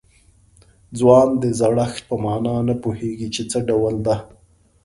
ځوان د زړښت په معنا نه پوهېږي چې څه ډول ده.